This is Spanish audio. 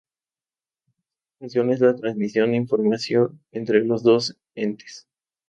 Su principal función es la transmisión de información entre los dos entes.